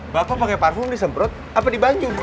bapak pake parfum disemprot apa dibanjung